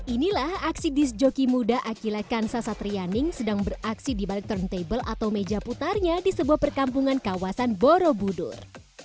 inilah aksi disc joki muda akila kansa satrianing sedang beraksi di balik turntable atau meja putarnya di sebuah perkampungan kawasan borobudur